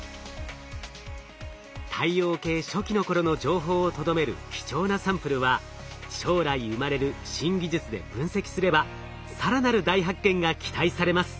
太陽系初期の頃の情報をとどめる貴重なサンプルは将来生まれる新技術で分析すれば更なる大発見が期待されます。